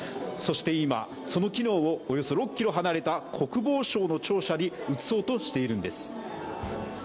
そして今、その機能をおよそ６ｋｍ離れた国防相の庁舎に移そうとしているんです。